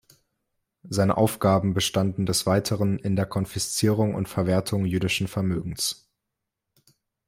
Seine Aufgaben bestanden des Weiteren in der Konfiszierung und Verwertung jüdischen Vermögens.